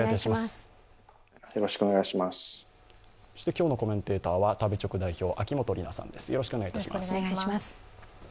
今日のコメンテーターは食べチョク代表、秋元里奈さんです。